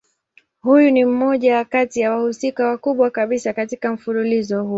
Huyu ni mmoja kati ya wahusika wakubwa kabisa katika mfululizo huu.